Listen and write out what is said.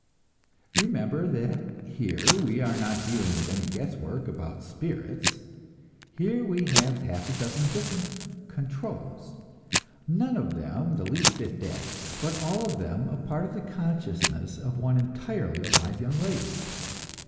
Remember that here we are not dealing with any guess work about "spirits"; here we have half a dozen different "controls," none of them the least bit dead, but all of them a part of the consciousness of one entirely alive young lady.